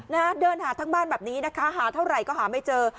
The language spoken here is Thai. นะฮะเดินหาทั้งบ้านแบบนี้นะคะหาเท่าไหร่ก็หาไม่เจอ